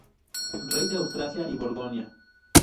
Rey de Austrasia y Borgoña.